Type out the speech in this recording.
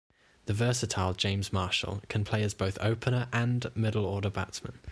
The versatile James Marshall can play as both opener and middle-order batsman.